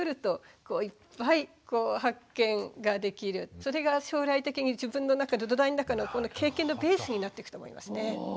それもそれが将来的に自分の中の土台の中の経験のベースになっていくと思いますね。